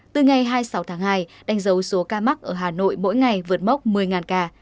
từ ngày hai mươi sáu tháng hai đánh dấu số ca mắc ở hà nội mỗi ngày vượt mốc một mươi ca